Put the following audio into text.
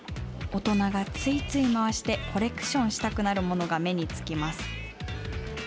大人がついつい回して、コレクションしたくなるものが目に付きます。